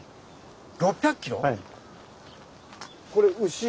６００キロ⁉はい。